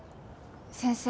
先生